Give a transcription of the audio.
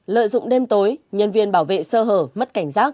lợi dụng đêm tối nhân viên bảo vệ sơ hở mất cảnh giác